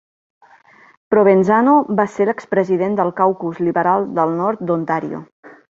Provenzano va ser l'expresident del caucus liberal del nord d'Ontario.